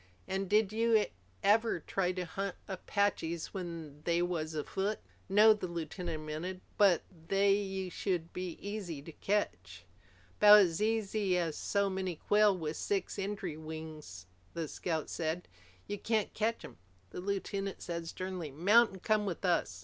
An' did you ever try to hunt Apaches when they was afoot?" "No," the lieutenant admitted. "But they should be easy to catch." "'Bout as easy as so many quail with six extry wings," the scout said. "You can't catch 'em." The lieutenant said sternly, "Mount and come with us."